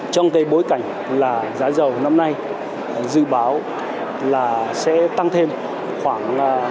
trong cái bối cảnh là giá dầu năm nay dự báo là sẽ tăng thêm khoảng một mươi bảy hai mươi